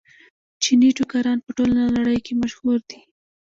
چیني ټوکران په ټوله نړۍ کې مشهور دي.